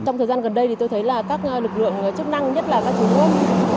trong thời gian gần đây thì tôi thấy là các lực lượng chức năng nhất là các chủ đô